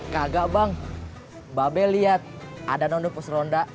kagak bang mba be liat ada nondepus ronda